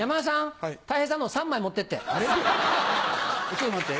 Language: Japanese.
ちょっと待って。